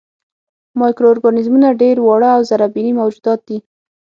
مایکرو ارګانیزمونه ډېر واړه او زرېبيني موجودات دي.